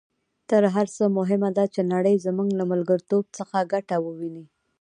تر هر څه مهمه ده چې نړۍ زموږ له ملګرتوب څخه ګټه وویني.